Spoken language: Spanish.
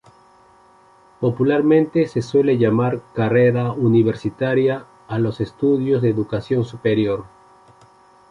Popularmente, se suele llamar carrera universitaria a los estudios de Educación superior.